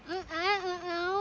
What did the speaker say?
eh eh eh tau